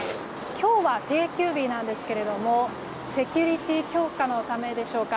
今日は定休日なんですけれどもセキュリティー強化のためでしょうか。